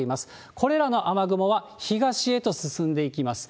これらの雨雲は東へと進んでいきます。